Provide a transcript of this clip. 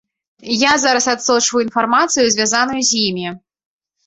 Я зараз адсочваю інфармацыю, звязаную з імі.